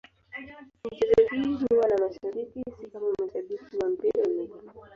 Michezo hii huwa na mashabiki, si kama mashabiki wa mpira wa miguu.